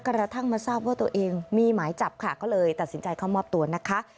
กระทั่งมาทราบว่าตัวเองมีหมายจับค่ะก็เลยตัดสินใจเข้ามอบตัวนะคะ